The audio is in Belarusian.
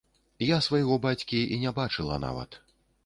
Я свайго бацькі і не бачыла нават.